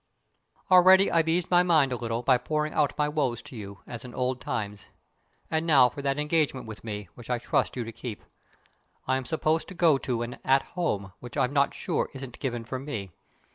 Already I've eased my mind a little by pouring out my woes to you, as in old times. And now for that engagement with me, which I trust you to keep. I am supposed to go to an "At Home," which I'm not sure isn't given for me.